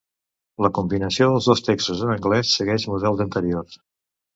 La combinació dels dos textos en anglès segueix models anteriors.